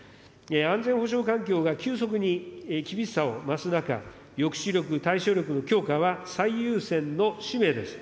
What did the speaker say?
安全保障環境が急速に厳しさを増す中、抑止力、対処力の強化は最優先の使命です。